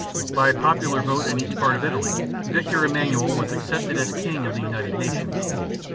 By a popular vote in each part of Italy Victor Emmanuel was accepted as king of the united nation.